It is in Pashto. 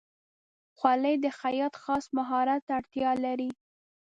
خولۍ د خیاطۍ خاص مهارت ته اړتیا لري.